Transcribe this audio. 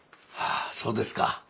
あそうですか。